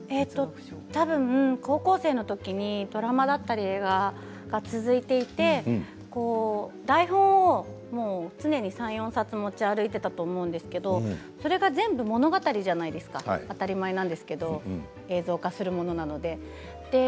たぶん高校生のときにドラマだったり映画が続いていて台本を常に３、４冊持ち歩いていたと思うんですけどそれが全部、物語じゃないですか当たり前なんですけど映像化するものなので。